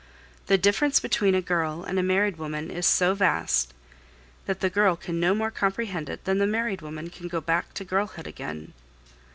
The difference between a girl and a married woman is so vast, that the girl can no more comprehend it than the married woman can go back to girlhood again.